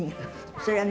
それはね